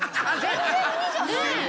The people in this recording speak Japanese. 全然鬼じゃない。